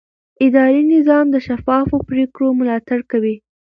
اداري نظام د شفافو پریکړو ملاتړ کوي.